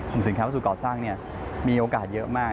สินค้าวัสดุก่อสร้างมีโอกาสเยอะมาก